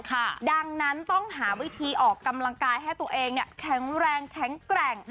ค่ะดังนั้นต้องหาวิธีออกกำลังกายให้ตัวเองเนี่ยแข็งแรงแข็งแกร่ง